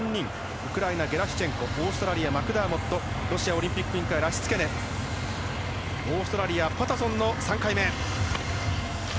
ウクライナ、ゲラシチェンコオーストラリア、マクダーモットロシアオリンピック委員会ラシツケネオーストラリアパタソンの３回目。